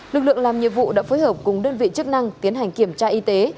lực lượng làm nhiệm vụ đã phối hợp cùng đơn vị chức năng tiến hành kiểm tra y tế